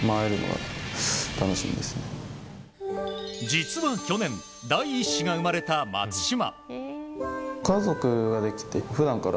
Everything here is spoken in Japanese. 実は、去年第１子が生まれた松島。